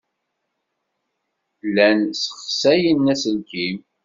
Llan ssexsayen aselkim.